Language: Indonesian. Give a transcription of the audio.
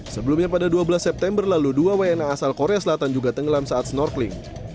sebelumnya pada dua belas september lalu dua wna asal korea selatan juga tenggelam saat snorkeling